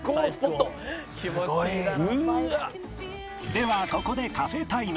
ではここでカフェタイム